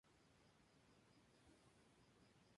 Su padre era maestro y viajó con el por varias partes.